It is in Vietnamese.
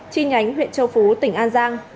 chi nhánh huyện châu phú tỉnh an giang